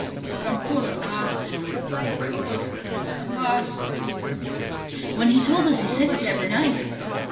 But I'm caught at last ... caught ... at last!" "When he told us he set it every night!